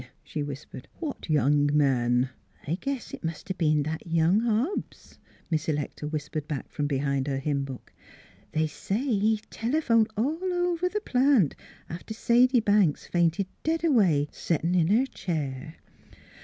she whispered: "what young man? "" I guess it must 'a' been that young Hobbs," Miss Electa whispered back from behind her hymn book; " they say he telephoned all over the plant after Sadie Banks fainted dead away, settin' in her chair.